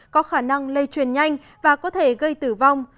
có khả năng lây truyền nhanh và có thể gây tử vong